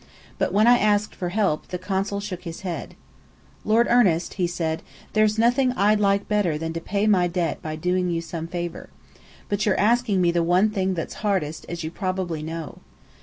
But when I asked for help, the Consul shook his head. "Lord Ernest," he said, "there's nothing I'd like better than to pay my debt by doing you some favour. But you're asking me the one thing that's hardest, as you probably know.